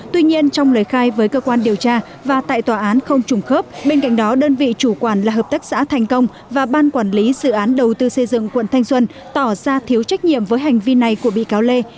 tuy nhiên trong lời khai với cơ quan điều tra và tại tòa án không trùng khớp bên cạnh đó đơn vị chủ quản là hợp tác xã thành công và ban quản lý dự án đầu tư xây dựng quận thanh xuân tỏ ra thiếu trách nhiệm với hành vi này của bị cáo lê